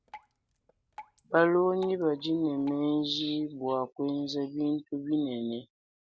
Balongi badi ne menji bua kuenza bintu binene.